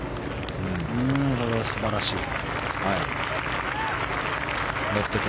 これは素晴らしい。